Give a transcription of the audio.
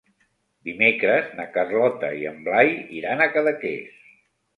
Dimecres na Carlota i en Blai iran a Cadaqués.